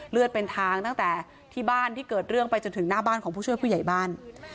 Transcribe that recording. เลือดเป็นทางตั้งแต่ที่บ้านที่เกิดเรื่องไปจนถึงหน้าบ้านของผู้ช่วยผู้ใหญ่บ้าน